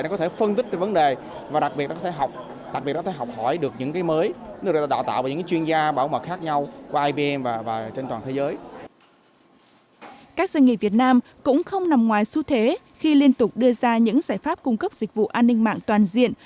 các doanh nghiệp việt nam cũng không nằm ngoài xu thế khi liên tục đưa ra những giải pháp cung cấp dịch vụ an ninh mạng toàn diện